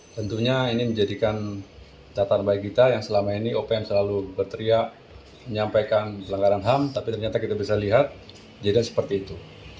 tentunya ini menjadikan catatan baik kita yang selama ini opm selalu berteriak menyampaikan pelanggaran ham tapi ternyata kita bisa lihat jadinya seperti itu